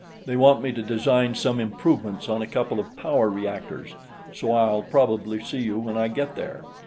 They want me to design some improvements on a couple of power reactors, so I'll probably see you when I get there."